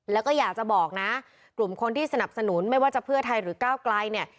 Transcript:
แล้วก็อยากจะบอกนะกลุ่มคนที่สนับสนุนไม่ว่าจะเพื่อไทยหรือก้าวไกลเนี่ย